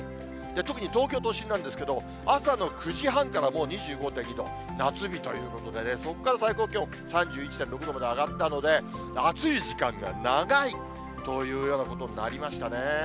特に東京都心なんですけど、朝の９時半からもう２５．２度、夏日ということでね、そこから最高気温、３１．６度まで上がったので、暑い時間が長いというようなことになりましたね。